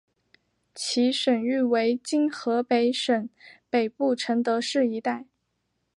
其省域为今河北省北部承德市一带。